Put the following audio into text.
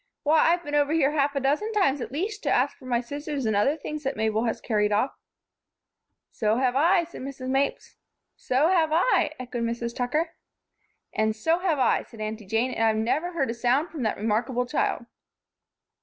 Why! I've been over here half a dozen times at least to ask for my scissors and other things that Mabel has carried off." "So have I," said Mrs. Mapes. "So have I," echoed Mrs. Tucker. "And so have I," added Aunty Jane, "and I've never heard a sound from that remarkable child."